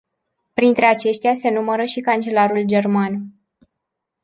Printre aceștia se numără și cancelarul german.